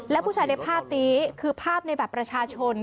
และผู้ชายในภาพนี้คือภาพในบัตรประชาชน